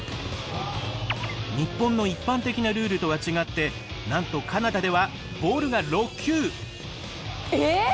日本の一般的なルールとは違ってなんとカナダではボールが６球。えっ！？